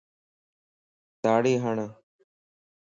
تاڙي ھڙ